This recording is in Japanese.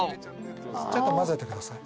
ちょっとまぜてください。